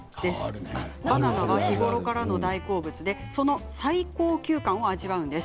バナナは日頃からの大好物でその最高級感を味わうんです。